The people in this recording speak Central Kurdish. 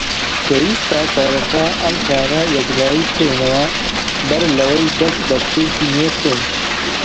پێویستە سەرەتا ئەم کارە یەکلایی بکەینەوە بەر لەوەی دەست بە شتێکی نوێ بکەین.